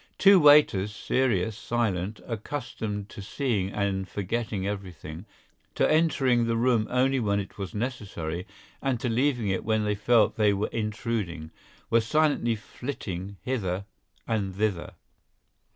Two waiters, serious, silent, accustomed to seeing and forgetting everything, to entering the room only when it was necessary and to leaving it when they felt they were intruding, were silently flitting hither and thither.